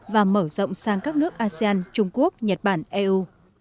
và mở rộng sang các nước asean trung quốc nhật bản eu